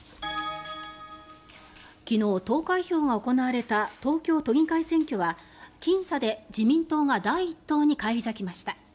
昨日、投開票が行われた東京都議会選挙はきん差で自民党が第１党に返り咲きました。